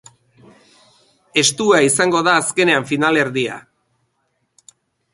Estua izango da azken finalerdia!